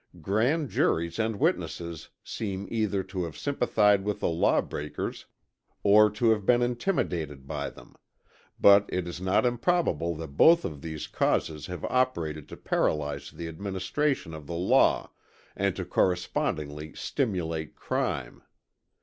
Grand juries and witnesses seem either to have sympathized with the law breakers or to have been intimidated by them; but it is not improbable that both of these causes have operated to paralyze the administration of the law, and to correspondingly stimulate crime.